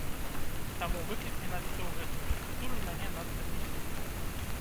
Таму выклік менавіта ў гэтую структуру мяне надта не здзівіў.